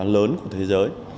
lớn của thế giới